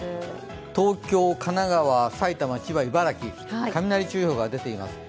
東京、神奈川、埼玉千葉、茨城雷注意報が出ています。